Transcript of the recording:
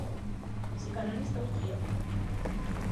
Psicanalista austríaca.